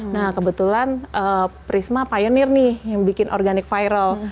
nah kebetulan prisma pionir nih yang bikin organic viral